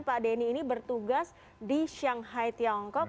pak denny ini bertugas di shanghai tiongkok